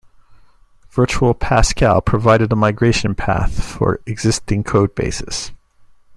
Virtual Pascal provided a migration path for existing codebases.